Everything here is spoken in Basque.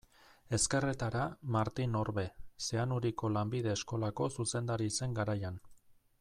Ezkerretara, Martin Orbe, Zeanuriko lanbide eskolako zuzendari zen garaian.